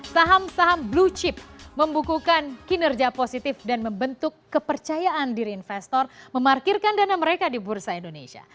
saham saham blue chip membukukan kinerja positif dan membentuk kepercayaan diri investor memarkirkan dana mereka di bursa indonesia